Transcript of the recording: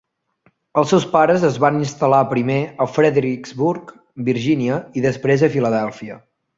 Els seus pares es van instal·lar primer a Fredericksburg, Virgínia, i després a Filadèlfia.